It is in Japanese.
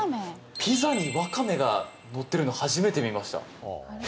ピザにワカメが乗っているの初めて見ました。